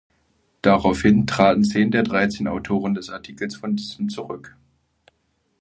Daraufhin traten zehn der dreizehn Autoren des Artikels von diesem zurück.